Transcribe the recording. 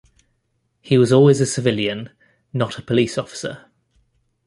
He was always a civilian, not a police officer.